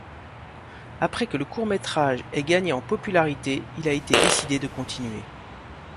Après que le court-métrage ait gagné en popularité, il a été décidé de continuer.